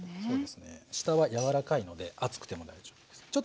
そうですね下は柔らかいので厚くても大丈夫です。